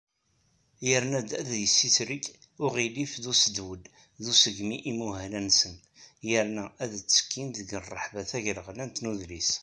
Yerna ad yessisreg Uɣlif n Usedwel d Usegmi imuhal-a-nsen yerna ad ttekkin deg rreḥba tagraɣlant n udlis.